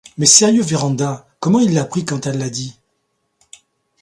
Mais sérieux Vérand’a, comment il l’a pris quand elle l’a dit ?